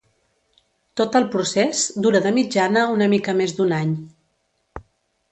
Tot el procés dura de mitjana una mica més d'un any.